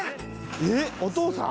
えっお父さん？